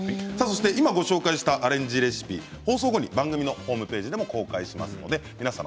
今ご紹介したアレンジレシピ放送後に番組のホームページでも公開しますので皆さん